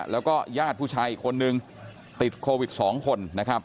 แล้วก็ญาติผู้ชายอีกคนนึงติดโควิด๒คนนะครับ